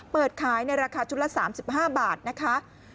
เปิดขายในราคาชุดละ๓๕บาทนะคะ